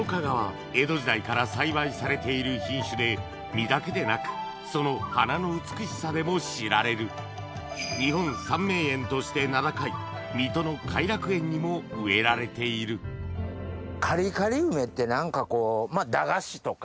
実だけでなくその花の美しさでも知られる日本三名園として名高い水戸の偕楽園にも植えられているカリカリ梅って何かこう駄菓子とか。